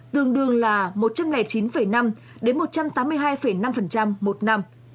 tương đương là một trăm linh chín năm đến một trăm tám mươi hai năm một năm